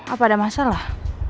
apa ada masalah